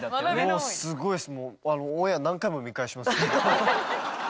もうすごいっす。